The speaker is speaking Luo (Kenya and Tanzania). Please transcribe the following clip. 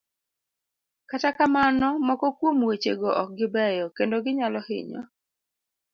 Kata kamano, moko kuom wechego ok gi beyo, kendo ginyalo hinyo